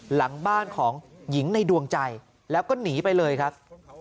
หลังบ้านของหญิงในดวงใจแล้วก็หนีไปเลยครับ